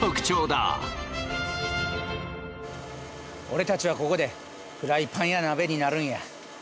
俺たちはここでフライパンや鍋になるんや。